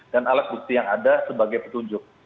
dan alat bukti yang ada sebagai petunjuk